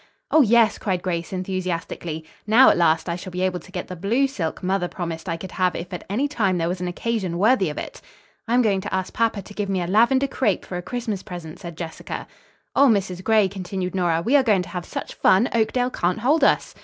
"Oh, yes," cried Grace enthusiastically. "Now, at last, I shall be able to get the blue silk mother promised I could have if at any time there was an occasion worthy of it." "I'm going to ask papa to give me a lavender crepe for a Christmas present," said Jessica. "O Mrs. Gray," continued Nora, "we are going to have such fun Oakdale can't hold us."